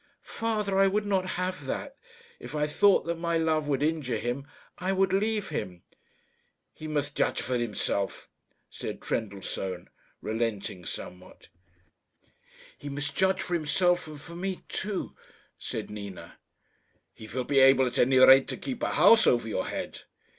"Father, I would not have that. If I thought that my love would injure him, I would leave him." "He must judge for himself," said Trendellsohn, relenting somewhat. "He must judge for himself and for me too," said Nina. "He will be able, at any rate, to keep a house over your head."